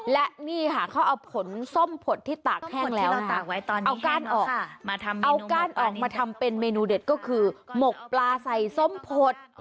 และนี่ค่ะเขาเอาผลส้มผดที่ตากแห้งแล้วเอาก้านออกเอาก้านออกมาทำเป็นเมนูเด็ดก็คือหมกปลาใส่ส้มผด